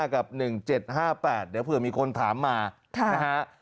กับ๑๗๕๘เดี๋ยวเผื่อมีคนถามมานะฮะ